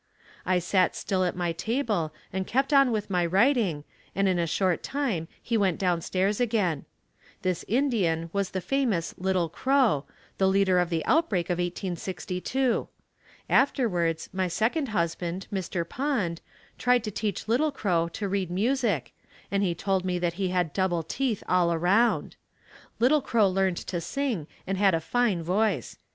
I sat still at my table and kept on with my writing and in a short time he went down stairs again. This Indian was the famous Little Crow, the leader of the outbreak of 1862. Afterwards my second husband, Mr. Pond, tried to teach Little Crow to read music and he told me that he had double teeth all around. Little Crow learned to sing and had a fine voice.